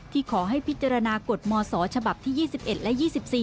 ขอให้พิจารณากฎมศฉบับที่๒๑และ๒๔